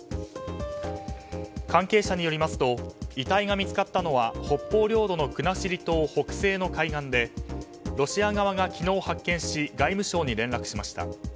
関係者によりますと遺体が見つかったのは北方領土の国後島北西の海岸でロシア側は昨日発見し外務省に連絡しました。